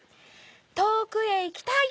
遠くへ行きたい！